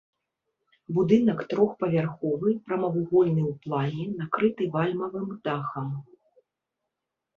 Будынак трохпавярховы, прамавугольны ў плане, накрыты вальмавым дахам.